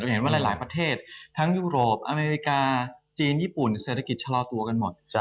เห็นว่าหลายประเทศทั้งยุโรปอเมริกาจีนญี่ปุ่นเศรษฐกิจชะลอตัวกันหมด